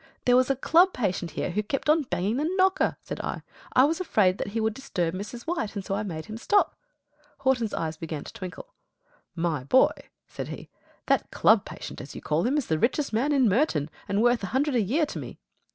"There was a club patient here who kept on banging the knocker," said I; "I was afraid that he would disturb Mrs. White, and so I made him stop." Horton's eyes began to twinkle. "My boy," said he, "that club patient, as you call him, is the richest man in Merton, and worth a hundred a year to me."